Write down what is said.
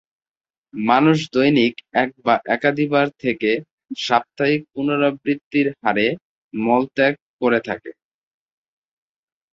মানুষ দৈনিক এক বা একাধিকবার থেকে সাপ্তাহিক পুনরাবৃত্তির হারে মলত্যাগ করে থাকে।